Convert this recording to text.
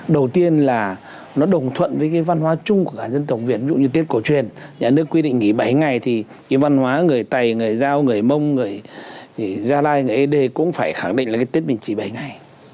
đầu tiên là nó đồng thuận với cái văn hóa chung của cả dân tộc việt ví dụ như tiết cổ truyền nhà nước quy định nghỉ bảy ngày thì cái văn hóa người tày người giao người mông người gia lai người ế đê cũng phải khẳng định là cái tiết mình chỉ bảy ngày